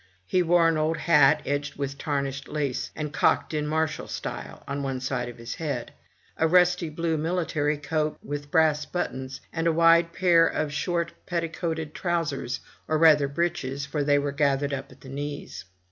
He wore an old hat edged with tarnished lace, and cocked in martial style, on one side of his head; a rusty blue military coat with brass buttons, and a wide pair of short petti coat trousers, or rather breeches, for they were gathered up at the knees.